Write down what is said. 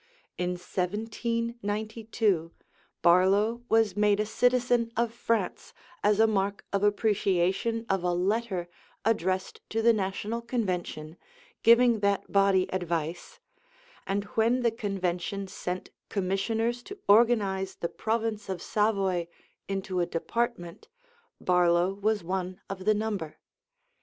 In 1792 Barlow was made a citizen of France as a mark of appreciation of a 'Letter' addressed to the National Convention, giving that body advice, and when the convention sent commissioners to organize the province of Savoy into a department, Barlow was one of the number.